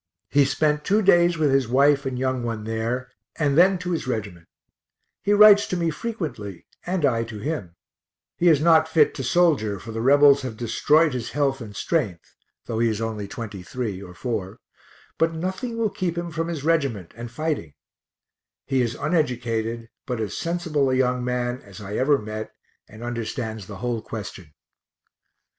He spent two days with his wife and young one there, and then to his regiment he writes to me frequently and I to him; he is not fit to soldier, for the Rebels have destroyed his health and strength (though he is only 23 or 4), but nothing will keep him from his regiment, and fighting he is uneducated, but as sensible a young man as I ever met, and understands the whole question.